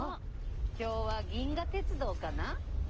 今日は銀河鉄道かな？